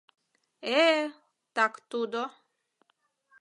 — Э, так тудо.